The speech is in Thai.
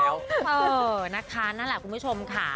เออนะคะนั่นแหละคุณผู้ชมค่ะ